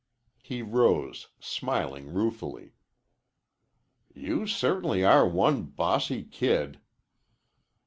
He rose, smiling ruefully. "You certainly are one bossy kid."